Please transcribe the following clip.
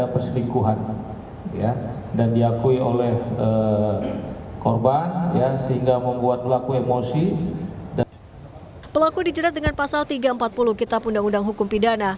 pelaku emosi dijerat dengan pasal tiga ratus empat puluh kitab undang undang hukum pidana